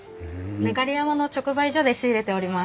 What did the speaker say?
流山の直売所で仕入れております。